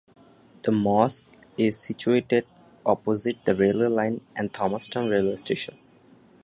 The mosque is situated opposite the railway line and Thomastown railway station.